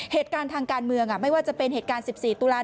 เหตุการณ์ทางการเมืองไม่ว่าจะเป็นเหตุการณ์๑๔ตุลาค